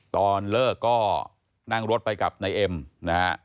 ตอนเลิกก็นั่งรถไปกับนายเอ็มนะฮะ